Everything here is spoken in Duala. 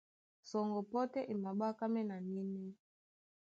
Sɔŋgɔ pɔ́ tɛ́ e maɓákámɛ́ na nínɛ́.